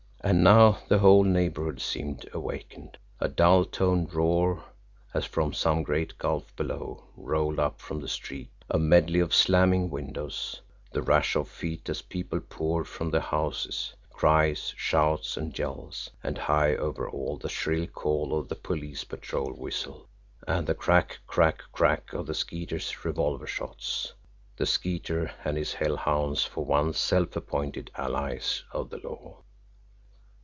And now the whole neighbourhood seemed awakened. A dull toned roar, as from some great gulf below, rolled up from the street, a medley of slamming windows, the rush of feet as people poured from the houses, cries, shouts, and yells and high over all the shrill call of the police patrol whistle and the CRACK, CRACK, CRACK of the Skeeter's revolver shots the Skeeter and his hellhounds for once self appointed allies of the law!